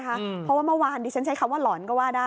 เพราะว่าเมื่อวานดิฉันใช้คำว่าหลอนก็ว่าได้